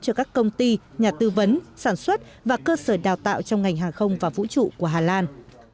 cho các công ty nhà tư vấn sản xuất và cơ sở đào tạo trong ngành hàng không và vũ trụ của hà lan